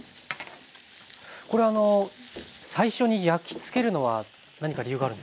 これ最初に焼きつけるのは何か理由があるんですか？